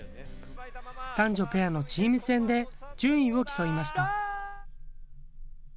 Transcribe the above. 男女ペアのチーム戦で順位を競いました。